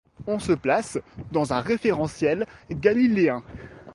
On se place dans un référentiel galiléen.